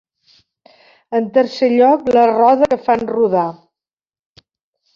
En tercer lloc, la roda que fan rodar.